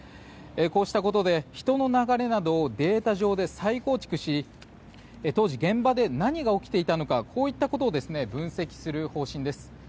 こうしたことで人の流れなどをデータ上で再構築し、当時、現場で何が起きていたのかといったことを分析する方針です。